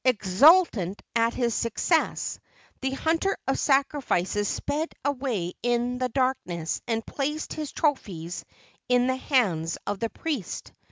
Exul¬ tant at his success, the hunter of sacrifices sped away in the darkness and placed his trophies in the hands of the priest.